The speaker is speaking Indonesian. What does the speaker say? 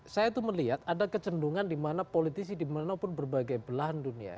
saya itu melihat ada kecendungan di mana politisi di mana pun berbagai belahan dunia